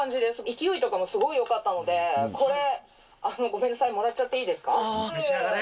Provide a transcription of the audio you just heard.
勢いとかもすごいよかったので、これ、ごめんなさい、もらっちゃめしあがれ。